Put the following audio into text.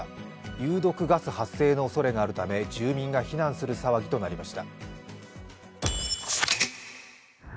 有毒ガス発生のおそれがあるため住民が避難する騒ぎとなりました。